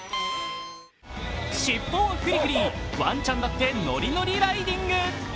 しっぽを振り振り、わんちゃんだってノリノリ・ライディング。